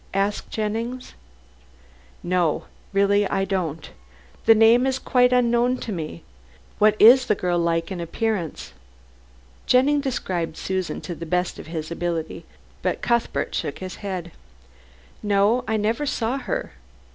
asked Jennings. "No. Really, I don't. The name is quite unknown to me. What is the girl like in appearance?" Jennings described Susan to the best of his ability, but Cuthbert shook his head. "No, I never saw her.